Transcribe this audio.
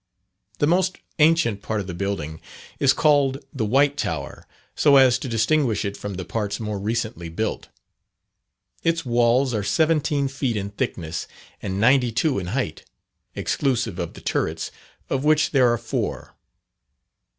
The most ancient part of the building is called the "White Tower," so as to distinguish it from the parts more recently built. Its walls are seventeen feet in thickness, and ninety two in height, exclusive of the turrets, of which there are four.